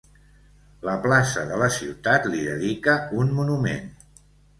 La plaça de la ciutat li dedica un monument.